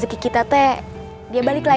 ya oke sempat bu armored lu